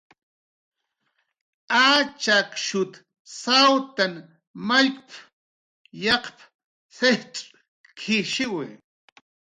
"Achakshut k""ullun mallkp"" yaqp"" sijcx'k""ishiwi."